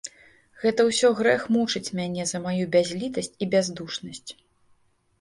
Гэта ўсё грэх мучыць мяне за маю бязлiтасць i бяздушнасць...